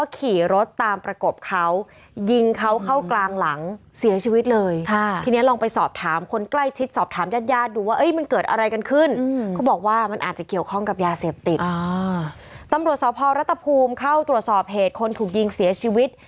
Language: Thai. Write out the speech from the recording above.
กับยาเสพติดอ่าตำรวจสอบพรรณรัฐภูมิเข้าตรวจสอบเหตุคนถูกยิงเสียชีวิต